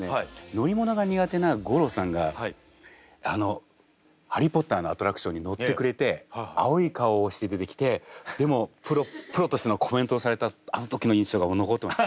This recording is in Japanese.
乗り物が苦手な吾郎さんが「ハリー・ポッター」のアトラクションに乗ってくれて青い顔をして出てきてでもプロとしてのコメントをされたあの時の印象が残ってます。